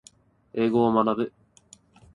英語を学ぶ